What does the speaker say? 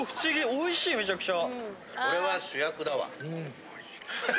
おいしいめちゃくちゃ。